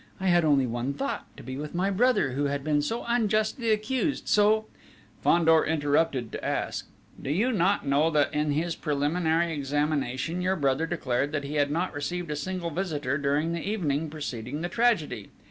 I had only one thought to be with my brother, who had been so unjustly accused, so ..." Fandor interrupted to ask: "Do you not know that at his preliminary examination your brother declared that he had not received a single visitor during the evening preceding the tragedy?